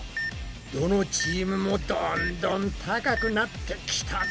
どのチームもどんどん高くなってきたぞ。